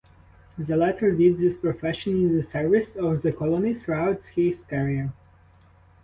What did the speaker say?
The latter did this profession in the service of the colony throughout his career.